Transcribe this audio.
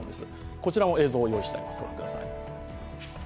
こちらも映像を用意してあります。